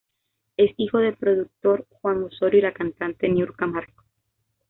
Es hijo del productor Juan Osorio y la cantante Niurka Marcos.